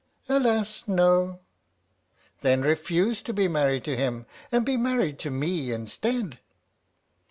" Alas, no !"" Then refuse to be married to him and be married to me instead."